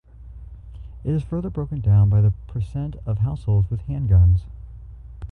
It is further broken down by the percent of households with handguns.